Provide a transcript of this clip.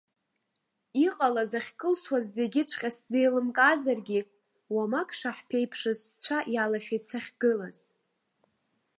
Иҟалаз ахькылсуаз зегьыҵәҟьа сзеилымкаазаргьы, уамак шаҳԥеиԥшыз сцәа иалашәеит сахьгылаз.